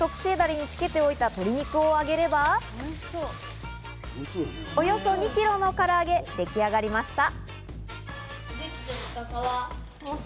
特製ダレにつけておいた鶏肉を揚げれば、およそ２キロの唐揚げ、でき上がりました。